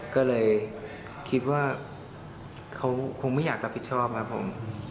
ก็เลยคิดว่าเขาคงไม่อยากรับผิดชอบครับผม